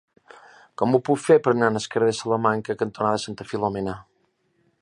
Com ho puc fer per anar al carrer Salamanca cantonada Santa Filomena?